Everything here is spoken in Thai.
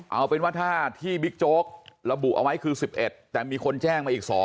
เอาเป็นว่าถ้าที่บิ๊กโจ๊กระบุเอาไว้คือ๑๑แต่มีคนแจ้งมาอีก๒